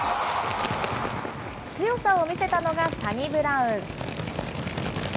強さを見せたのが、サニブラウン。